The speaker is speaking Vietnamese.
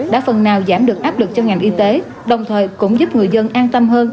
đã phần nào giảm được áp lực cho ngành y tế đồng thời cũng giúp người dân an tâm hơn